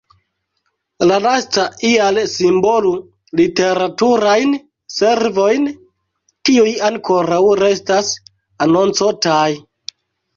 La lasta ial simbolu "literaturajn servojn", kiuj ankoraŭ restas "anoncotaj".